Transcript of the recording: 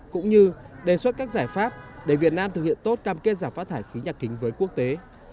cũng như đề xuất các giải pháp để việt nam thực hiện tốt cam kết giảm phát thải khí nhà kính với quốc tế